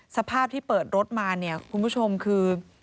สภาพที่เปิดรถมาเนี่ยคุณผู้ชมคือ